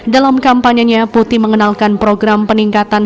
dalam kampanyenya putih mengenalkan program peningkatan